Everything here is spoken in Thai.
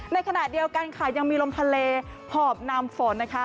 ในขณะเดียวกันค่ะยังมีลมทะเลหอบนำฝนนะคะ